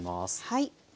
はい。